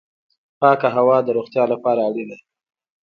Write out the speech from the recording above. پاکه هوا د روغتیا لپاره اړینه ده